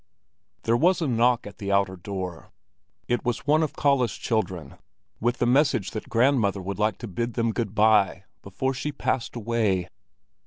There was a knock at the outer door. It was one of Kalle's children with the message that grandmother would like to bid them good bye before she passed away.